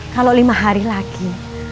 kalau lima hari lagi